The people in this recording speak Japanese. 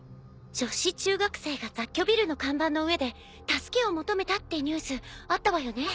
女子中学生が雑居ビルの看板の上で助けを求めたってニュースあったわよね。